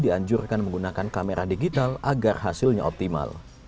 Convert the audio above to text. dianjurkan menggunakan kamera digital agar hasilnya optimal